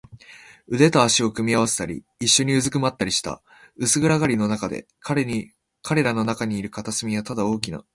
腕と脚とを組み合わせたり、いっしょにうずくまったりした。薄暗がりのなかで、彼らのいる片隅はただ大きな糸玉ぐらいにしか見えなかった。